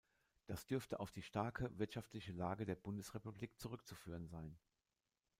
Das dürfte auf die starke wirtschaftliche Lage der Bundesrepublik zurückzuführen sein.